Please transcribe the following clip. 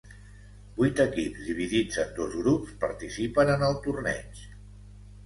Vuit equips dividits en dos grups participen en el torneig.